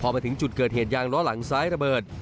และยังล้อหลังซ้ายระเบิด